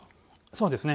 そうですね。